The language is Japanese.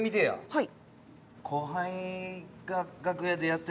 はい。